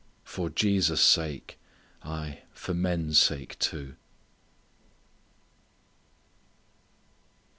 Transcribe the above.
For Jesus' sake; aye for men's sake, too.